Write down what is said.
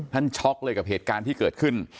ช็อกเลยกับเหตุการณ์ที่เกิดขึ้น